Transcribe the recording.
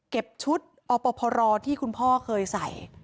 ชุดอปพรที่คุณพ่อเคยใส่